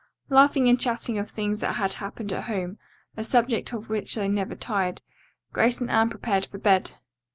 Laughing and chatting of things that had happened at home, a subject of which they never tired, Grace and Anne prepared for bed.